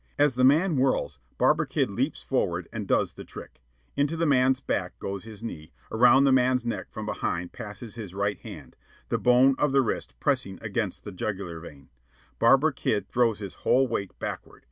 As the man whirls, Barber Kid leaps forward and does the trick. Into the man's back goes his knee; around the man's neck, from behind, passes his right hand, the bone of the wrist pressing against the jugular vein. Barber Kid throws his whole weight backward.